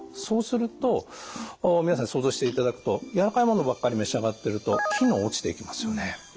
そうすると皆さんに想像していただくとやわらかいものばっかり召し上がってると機能が落ちていきますよね。